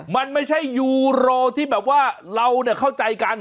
มันไม่ใช่ยูโรที่เราเข้าใจกัน